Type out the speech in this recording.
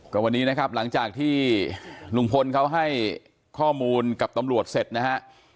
ก็วันนี้นะครับหลังจากที่ลุงพลเขาให้ข้อมูลกับตำรวจเสร็จนะฮะ